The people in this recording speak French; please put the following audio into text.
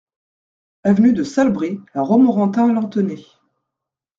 Avenue de Salbris à Romorantin-Lanthenay